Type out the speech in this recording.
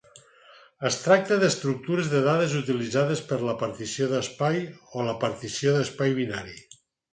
Es tracta d'estructures de dades utilitzades per a la partició d'espai o la partició d'espai binari.